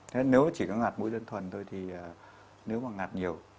thế nếu chỉ có ngặt mũi đơn thuần thôi thì nếu mà ngạt nhiều